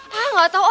hah gak tau